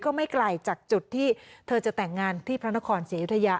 ก็ไม่ไกลจากจุดที่เธอจะแต่งงานที่พระนครศรีอยุธยา